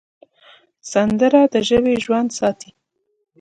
سندره د ژبې ژوند ساتي